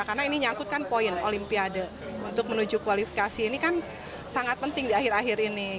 karena ini nyangkutkan poin olimpiade untuk menuju kualifikasi ini kan sangat penting di akhir akhir ini